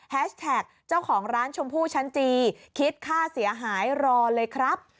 แท็กเจ้าของร้านชมพู่ชั้นจีคิดค่าเสียหายรอเลยครับ